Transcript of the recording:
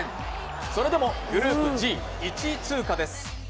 それでもグループＧ、１位通過です。